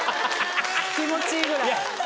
気持ちいいぐらい。